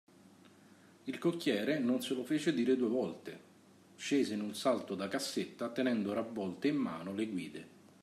Il cocchiere, non se lo fece dire due volte, scese in un salto da cassetta, tenendo ravvolte in mano le guide.